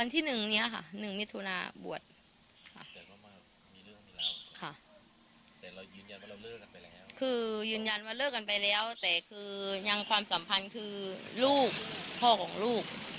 แต่คือยังความสัมพันธ์คือลูกพ่อของลูก